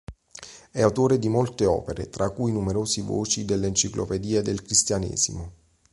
È autore di molte opere, tra cui numerose voci della "Enciclopedia del Cristianesimo.